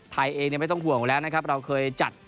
ไทยเองไม่ต้องห่วงแล้วนะครับเราเคยจัด